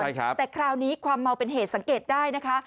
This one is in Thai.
ใช่ครับแต่คราวนี้ความเมาเป็นเหตุสังเกตได้นะคะ